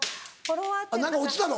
何か落ちたぞ。